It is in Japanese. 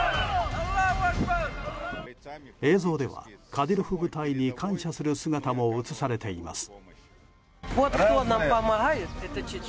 映像ではカディロフ部隊に感謝する姿も映されています。